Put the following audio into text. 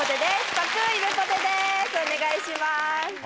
お願いします。